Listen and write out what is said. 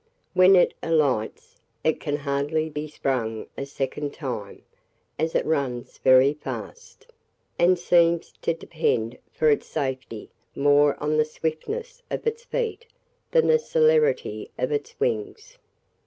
When it alights, it can hardly be sprung a second time, as it runs very fast, and seems to depend for its safety more on the swiftness of its feet than the celerity of its wings.